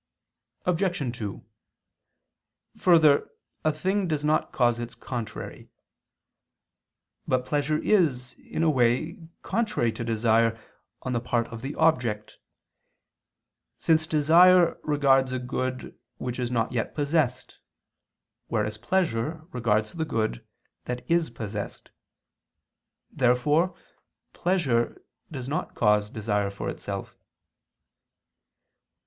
Obj. 2: Further, a thing does not cause its contrary. But pleasure is, in a way, contrary to desire, on the part of the object: since desire regards a good which is not yet possessed, whereas pleasure regards the good that is possessed. Therefore pleasure does not cause desire for itself.